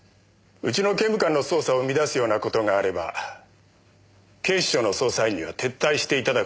うちの刑務官の捜査を乱すようなことがあれば警視庁の捜査員には撤退していただくこともあります。